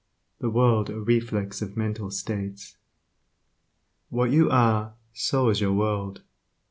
The world a reflex of mental states What you are, so is your world.